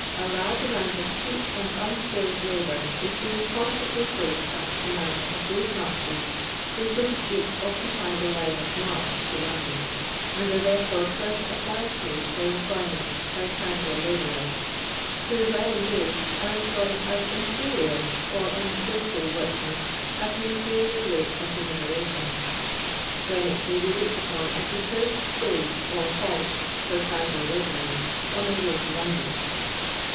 a large amount of cheap and unskilled labour U being constantly placed at the command of those masters who, so to speak, occupy the line of march to London, and are, therefore, first applied to fur employment hy casual labourers; who, when en gaged, arc employed as inferior, or unskilful, workmen, at au inferior rate of remuneration, (rreenwich may lie looked upon as the first stage or halt for casual hbourers, on their way to Lon don.